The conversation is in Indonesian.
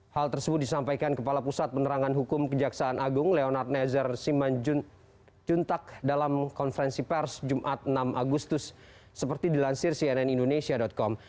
hal tersebut disampaikan kepala pusat penerangan hukum kejaksaan agung leonard nezer siman juntak dalam konferensi pers jumat enam agustus seperti dilansir cnn indonesia com